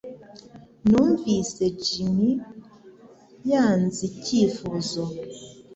Numvise Jim yanze icyifuzo